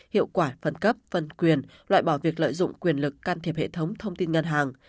hiệu quả phân cấp phân quyền loại bỏ việc lợi dụng quyền lực can thiệp hệ thống thông tin ngân hàng